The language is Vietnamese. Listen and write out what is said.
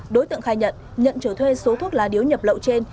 đối tượng khai nhận nhận trở thuê số thuốc lá điếu nhập lậu trên